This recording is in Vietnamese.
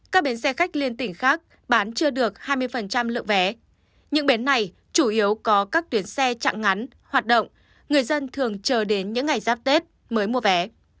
các bến xe khách liên tỉnh khác bán chưa được hai mươi lượng vé những bến này chủ yếu có các tuyến xe chặng ngắn hoạt động người dân thường chờ đến những ngày giáp tết mới mua vé